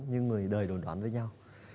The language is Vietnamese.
như người đời đồn đoán với nhau